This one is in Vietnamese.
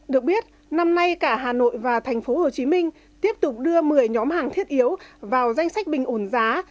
được biết năm nay cả hà nội và thành phố hồ chí minh tiếp tục đưa một mươi nhóm hàng thiết yếu vào danh sách bình ổn giá